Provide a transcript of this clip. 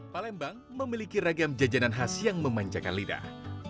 palembang memiliki ragam jajanan khas yang memanjakan lidah